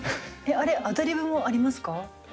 あれアドリブもありますか？